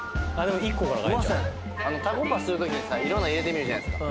うまそうやなたこパするときにさ色んなん入れてみるじゃないですか